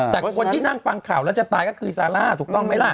แต่คนที่นั่งฟังข่าวแล้วจะตายก็คือซาร่าถูกต้องไหมล่ะ